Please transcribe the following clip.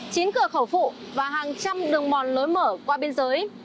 chín cửa khẩu phụ và hàng trăm đường mòn lối mở qua biên giới